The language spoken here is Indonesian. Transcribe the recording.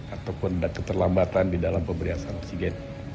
ataupun ada keterlambatan di dalam pemberian oksigen